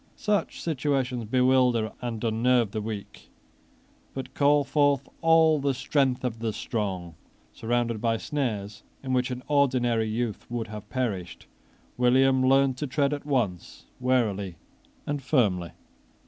Such situations bewilder and unnerve the weak, but call forth all the strength of the strong. Surrounded by snares in which an ordinary youth would have perished, William learned to tread at once warily and firmly.